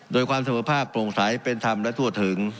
โดยความเสมอภาพโปร่งใสเป็นธรรมและทั่วถึง